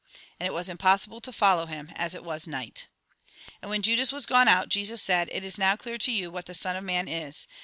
And it was impossible to follow him, as it was night. And when Judas was gone out, Jesus said :" It is now clear to you what the Son of Man is.